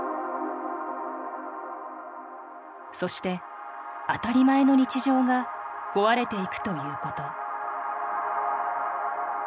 そして当たり前の日常が壊れていくということ。